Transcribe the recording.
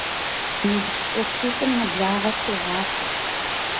НыбжьыщӀэ щитӏым нэблагъэ согъасэ.